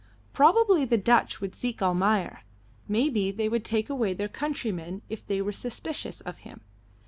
Probably the Dutch would seek Almayer. Maybe they would take away their countryman if they were suspicious of him.